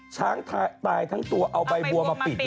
ช้างตายทั้งตัวเอาใบบัวมาปิด